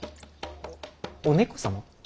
お猫様？